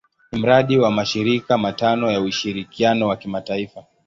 Ni mradi wa mashirika matano ya ushirikiano wa kimataifa.